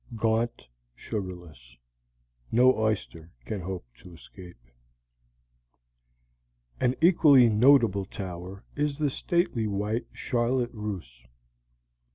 Gaunt, sugarless; no oyster can hope to escape. An equally notable tower is the stately white charlotte russe.